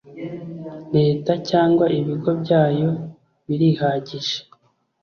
Leta Cyangwa Ibigo Byayo Birihagije